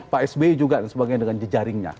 pak sby juga dan sebagainya dengan jejaringnya